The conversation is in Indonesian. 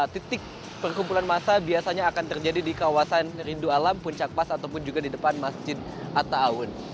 titik perkumpulan massa biasanya akan terjadi di kawasan rindu alam puncak pas ataupun juga di depan masjid atta awun